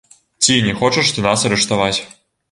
Ці не хочаш ты нас арыштаваць?